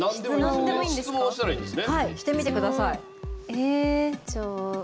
え、じゃあ。